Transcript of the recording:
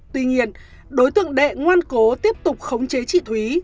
tuy nhiên đối tượng đệ ngoan cố tiếp tục khống chế chị thúy